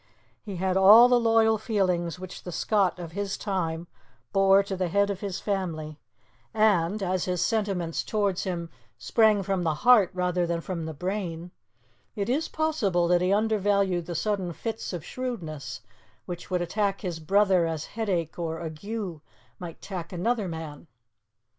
He had all the loyal feeling which the Scot of his time bore to the head of his family, and, as his sentiments towards him sprang from the heart rather than from the brain, it is possible that he undervalued the sudden fits of shrewdness which would attack his brother as headache or ague might attack another man.